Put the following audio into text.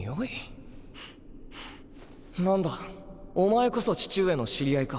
何だお前こそ父上の知り合いか？